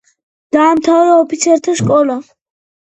დაამთავრა ოფიცერთა სკოლა.